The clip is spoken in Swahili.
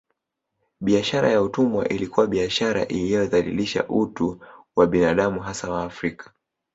Biashara ya utumwa ilikuwa biashara iliyodhalilisha utu wa binadamu hasa Waafrika